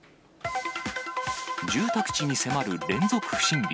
住宅地に迫る連続不審火。